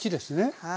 はい。